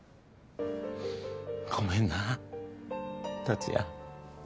ごめんな達也。